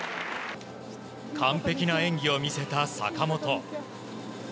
完璧な演技を見せた坂本。